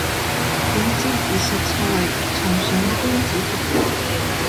焉知二十載，重上君子堂。